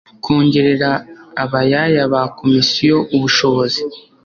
kongerera abayaya ba komisiyo ubushobozi